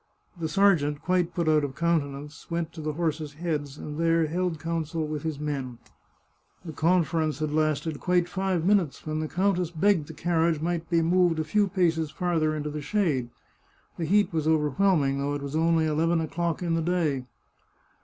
The sergeant, quite put out of countenance, went to the horses* heads, and there held council with his men. The 82 The Chartreuse of Parma conference had lasted quite five minutes, when the countess begged the carriage might be moved a few paces farther into the shade; the heat was overwhelming, though it was only eleven o'clock in the day.